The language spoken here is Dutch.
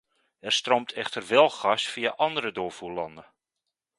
Er stroomt echter wel gas via andere doorvoerlanden.